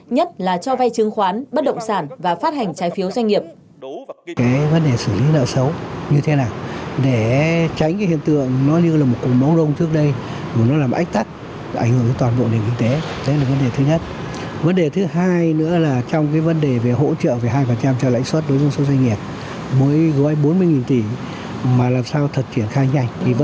nhất là cho vay chứng khoán bất động sản và phát hành trái phiếu doanh nghiệp